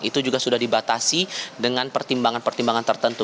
itu juga sudah dibatasi dengan pertimbangan pertimbangan tertentu